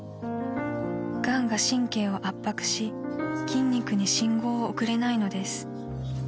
［がんが神経を圧迫し筋肉に信号を送れないのです］